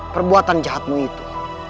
perbuatan jahatmu itu